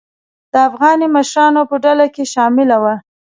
د افغاني مشرانو په ډله کې شامله وه.